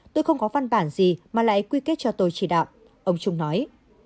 tôi không có văn bản gì mà lại quy kết cho tôi chỉ đạo ông trung nói